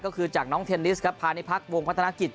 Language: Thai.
ก็คือจากน้องเทนนิสครับพาณิพักษ์วงพัฒนากิจ